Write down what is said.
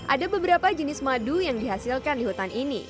ada beberapa jenis madu yang dihasilkan di hutan ini